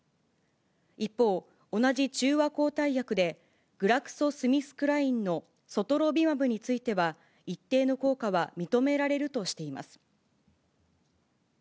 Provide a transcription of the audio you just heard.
一方、同じ中和抗体薬でグラクソ・スミスクラインのソトロビマブについては、一定の効果は認められるとしています。